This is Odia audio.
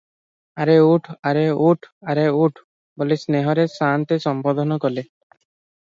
'ଆରେ ଉଠ୍, ଆରେ ଉଠ, ଆରେ ଉଠ୍' ବୋଲି ସ୍ନେହରେ ସାଆନ୍ତେ ସମ୍ବୋଧନ କଲେ ।